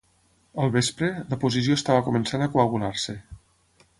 Al vespre, la posició estava començant a coagular-se.